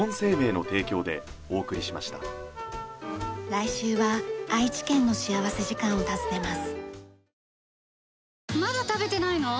来週は愛知県の幸福時間を訪ねます。